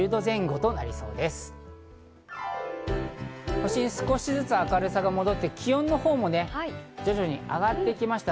都心、少しずつ明るさが戻って気温のほうも徐々に上がってきました。